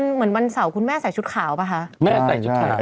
เหมือนวันเสาร์คุณแม่ใส่ชุดข่าวป่ะคะ